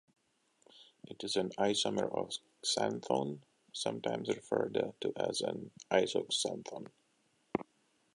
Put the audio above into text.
It is an isomer of xanthone, sometimes referred to as an isoxanthone.